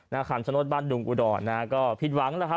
นาคารสนุทรบ้านดุงอุดอ่อนก็ผิดหวังแล้วครับ